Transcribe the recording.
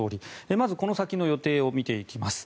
まず、この先の予定を見ていきます。